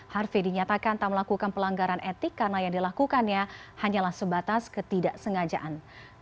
harvey dinyatakan tak melakukan pelanggaran etik karena yang dilakukannya hanyalah sebatas ketidaksengajaan